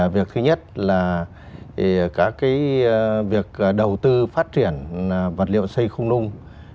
việc thứ nhất là việc đầu tư phát triển vật liệu xây không nung